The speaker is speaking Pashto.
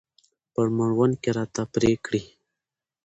په مړوند کې راته پرې کړي.